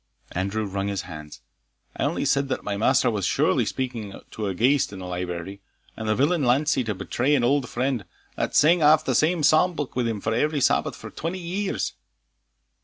Andrew wrung his hands. "I only said that my master was surely speaking to a ghaist in the library and the villain Lancie to betray an auld friend, that sang aff the same Psalm book wi' him every Sabbath for twenty years!"